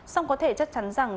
xong có thể chắc chắn rằng